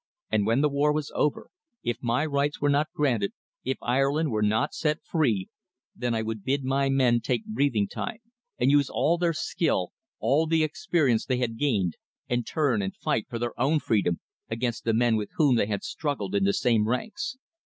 And when the war was over, if my rights were not granted, if Ireland were not set free, then I would bid my men take breathing time and use all their skill, all the experience they had gained, and turn and fight for their own freedom against the men with whom they had struggled in the same ranks.